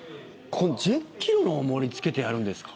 １０ｋｇの重りつけてやるんですか？